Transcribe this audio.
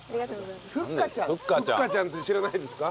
ふっかちゃんって知らないですか？